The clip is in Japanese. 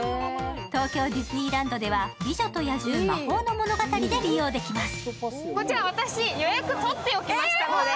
東京ディズニーランドでは美女と野獣魔法ものがたりで利用できます。